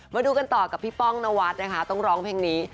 มาดูกันต่อกับพี่ป้องนวัดนะคะต้องร้องเพลงนี้